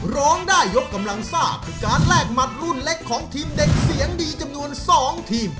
ร้องได้ยกกำลังซ่าคือการแลกหมัดรุ่นเล็กของทีมเด็กเสียงดีจำนวน๒ทีม